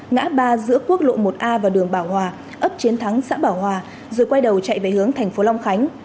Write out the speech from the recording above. ngã ba giữa quốc lộ một a và đường bảo hòa ấp chiến thắng xã bảo hòa rồi quay đầu chạy về hướng thành phố long khánh